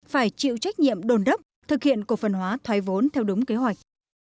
phải chịu trách nhiệm đồn đốc thực hiện cổ phần hóa thoái vốn theo đúng kế hoạch